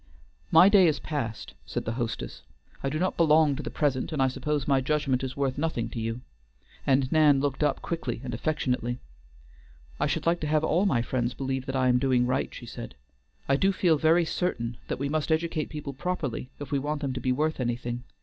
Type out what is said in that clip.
"My day is past," said the hostess. "I do not belong to the present, and I suppose my judgment is worth nothing to you;" and Nan looked up quickly and affectionately. "I should like to have all my friends believe that I am doing right," she said. "I do feel very certain that we must educate people properly if we want them to be worth anything.